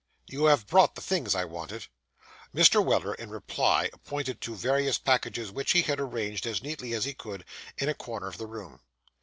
'You have brought the things I wanted?' Mr. Weller in reply pointed to various packages which he had arranged, as neatly as he could, in a corner of the room.